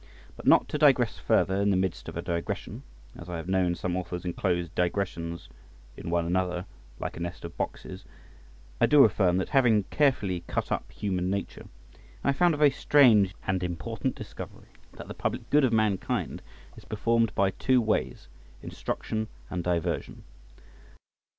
But not to digress further in the midst of a digression, as I have known some authors enclose digressions in one another like a nest of boxes, I do affirm that, having carefully cut up human nature, I have found a very strange, new, and important discovery: that the public good of mankind is performed by two ways—instruction and diversion.